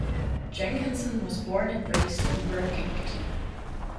Jenkinson was born and raised in Workington.